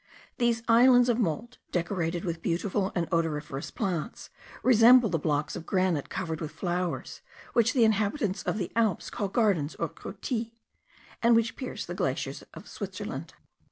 These islands of mould, decorated with beautiful and odoriferous plants, resemble the blocks of granite covered with flowers, which the inhabitants of the Alps call gardens or courtils, and which pierce the glaciers of Switzerland.